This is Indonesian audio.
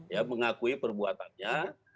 ya mengakui perbuatannya